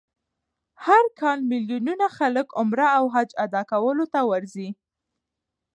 هر کال میلیونونه خلک عمره او حج ادا کولو ته ورځي.